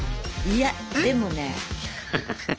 いやでもねえ。